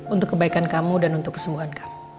untuk kebaikan kamu dan untuk kesembuhan kami